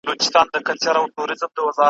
ما د ھرڅه ښکلا ، ترخپله وسه وپلټله